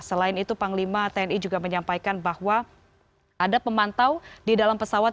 selain itu panglima tni juga menyampaikan bahwa ada pemantau di dalam pesawat